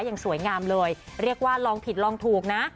อย่างสวยงามเลยเรียกว่าลองผิดลองถูกนะ